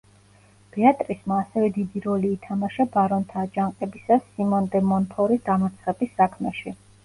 ბეატრისმა ასევე დიდი როლი ითამაშა ბარონთა აჯანყებისას სიმონ დე მონფორის დამარცხების საქმეში.